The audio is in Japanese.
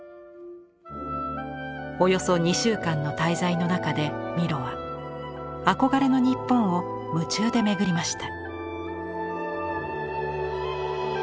およそ２週間の滞在の中でミロは憧れの日本を夢中で巡りました。